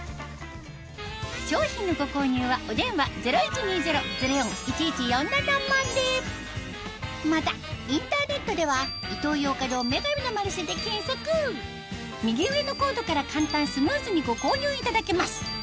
商品のご購入はお電話またインターネットでは右上のコードから簡単スムーズにご購入いただけます